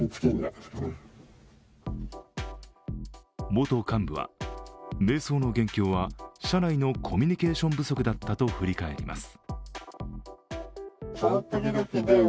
元幹部は、迷走の元凶は社内のコミュニケーション不足だったと振り返ります。